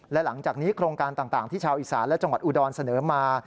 และหลังจากนี้โครงการต่างที่ชาวอีสานและจังหวัดอุดรเสนอมา